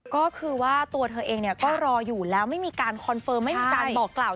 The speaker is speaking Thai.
ก็คือว่าตัวเธอเองก็รออยู่แล้วไม่มีการคอนเฟิร์มไม่มีการบอกกล่าว